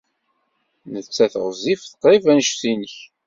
Nettat ɣezzifet qrib anect-nnek.